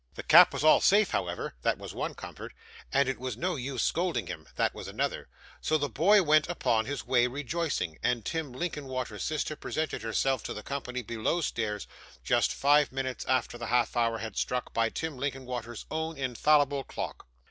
The cap was all safe, however that was one comfort and it was no use scolding him that was another; so the boy went upon his way rejoicing, and Tim Linkinwater's sister presented herself to the company below stairs, just five minutes after the half hour had struck by Tim Linkinwater's own infallible clock.